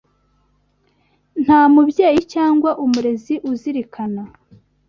Nta mubyeyi cyangwa umurezi uzirikana